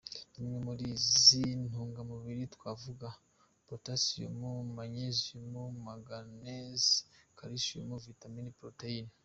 Zimwe muri izi ntungamubiri twavuga potasiyumu, manyeziyumu, manganeze, karisiyumu, vitamine, poroteyine,….